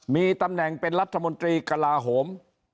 มีตำแหน่งเป็นรัฐมนตรีกลาโหม